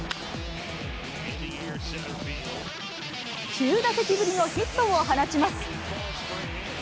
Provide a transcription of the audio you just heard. ９打席ぶりのヒットを放ちます。